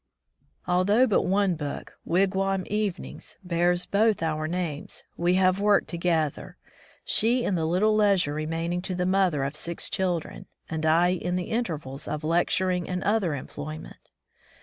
Although but one book, "Wigwam Evenings", bears both our 185 From the Deep Woods to Civilization names, we have worked together, she in the little leisure remaining to the mother of six children, and I in the intervals of lecturing and other employment.